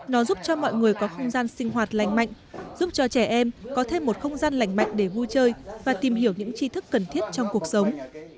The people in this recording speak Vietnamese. nó giúp cho mọi người có không gian sinh hoạt lành mạnh giúp cho trẻ em có thêm một không gian lành mạnh để vui chơi và tìm hiểu những chi thức cần thiết trong cuộc sống